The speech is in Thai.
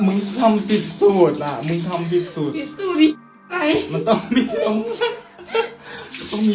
มึงทำอ่ะมึงทำปิ๊บศูนย์ปิ๊บศูนย์มึงต้องมีต้องมี